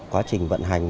quá trình vận hành